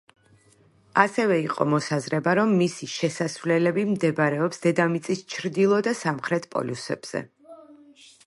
ასევე იყო მოსაზრება, რომ მისი შესასვლელები მდებარეობს დედამიწის ჩრდილო და სამხრეთ პოლუსებზე.